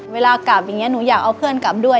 เวลากลับอย่างนี้หนูอยากเอาเพื่อนกลับด้วย